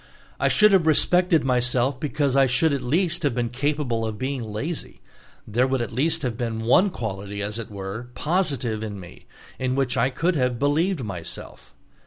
I should have respected myself because I should at least have been capable of being lazy; there would at least have been one quality, as it were, positive in me, in which I could have believed myself.